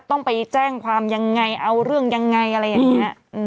ต้องไปแจ้งความยังไงเอาเรื่องยังไงอะไรอย่างนี้